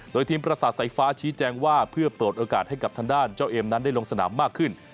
โดยทีมประสาทสายฟ้าชี้แจงว่าเพื่อเปิดโอกาสให้กับทางด้านเจ้าเอมนั้นได้ลงสนามมากขึ้น